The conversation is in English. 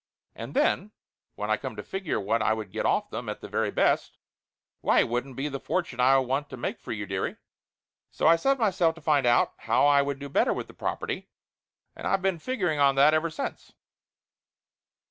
And then, when I come to figure what would I get off them at the very best, why it wouldn't be the fortune I want to make for you, dearie. So I set myself to find out how would I do bet Laughter Limited 285 ter with the property, and I been figuring on that ever since."